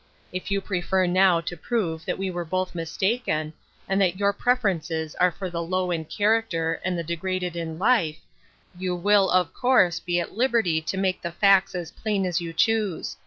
If you prefer now to prove that we were both mis taken, and that your preferences are for the low in character and the degraded in life, you will, of course, be at liberty to make the facts as plain as you choose.